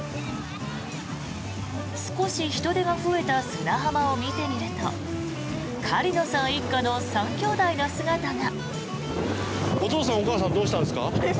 少し人出が増えた砂浜を見てみると狩野さん一家の３兄弟の姿が。